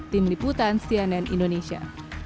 tim liputan cnn indonesia